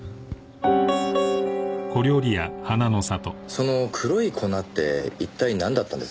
その黒い粉って一体なんだったんです？